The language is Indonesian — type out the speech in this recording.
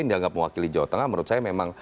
yang dianggap mewakili jawa tengah menurut saya